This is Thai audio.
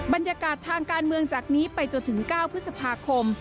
บรรยากาศทางการเมืองจากนี้ไปจนถึง๙พฤษภาคม